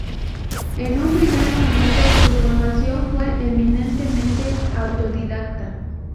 En un primer momento, su formación fue eminentemente autodidacta.